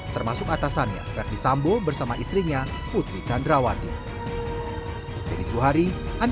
termasuk atasannya verdi sambo bersama istrinya putri candrawati